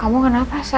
kamu kenapa sel